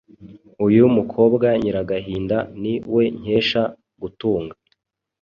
Uyu mukobwa Nyiragahinda ni we nkesha gutunga